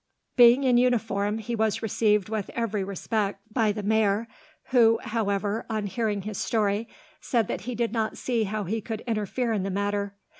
Being in uniform, he was received with every respect by the mayor, who, however, on hearing his story, said that he did not see how he could interfere in the matter.